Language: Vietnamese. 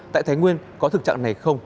tại thái nguyên có thực trạng này không